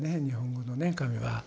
日本語のね「神」は。